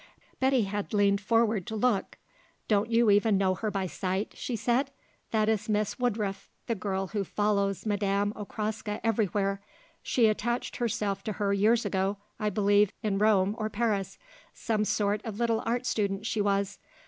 Betty had leaned forward to look. "Don't you even know her by sight?" she said. "That is Miss Woodruff, the girl who follows Madame Okraska everywhere. She attached herself to her years ago, I believe, in Rome or Paris; some sort of little art student she was.